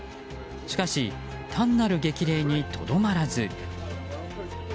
しかし単なる激励にとどまらず。